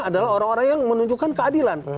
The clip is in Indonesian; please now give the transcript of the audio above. adalah orang orang yang menunjukkan keadilan